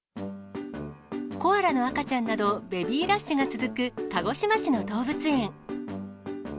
コアラの赤ちゃんなど、ベビーラッシュが続く鹿児島市の動物園。